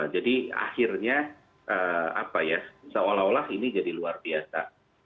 jadi akhirnya apa ya seolah olah ini jadi luar biasa